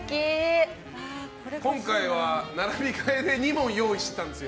今回は並び替えで２問用意してたんです。